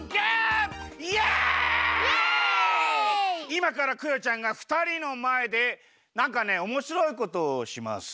いまからクヨちゃんがふたりのまえでなんかねおもしろいことをします。